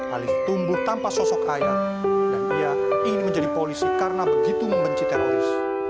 alif tumbuh tanpa sosok ayah dan ia ingin menjadi polisi karena begitu membenci teroris